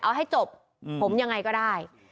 เอาให้จบผมยังไงก็ได้